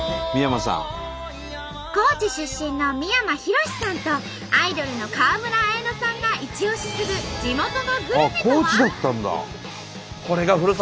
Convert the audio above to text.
高知出身の三山ひろしさんとアイドルの川村文乃さんがイチオシする地元のグルメとは？